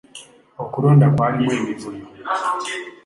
Okulonda kwalimu emivuyo.